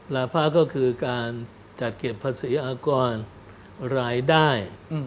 ภาก็คือการจัดเก็บภาษีอากรรายได้